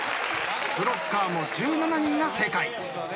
ブロッカーも１７人が正解。